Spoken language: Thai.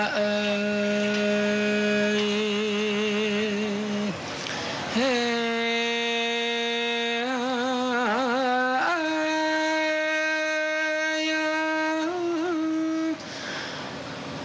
คือเพลินเด็ก